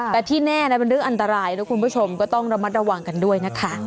แต่ที่แน่นะเป็นเรื่องอันตรายนะคุณผู้ชมก็ต้องระมัดระวังกันด้วยนะคะ